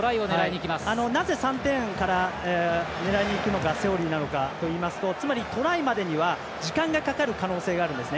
なぜ３点から狙いにいくのがセオリーなのかといいますとつまり、トライまでには時間がかかる可能性があるんです。